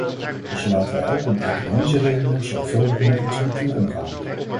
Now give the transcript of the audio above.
Dus laten wij ook om economische redenen zorgvuldiger met onze natuur omgaan.